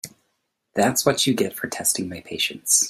That’s what you get for testing my patience.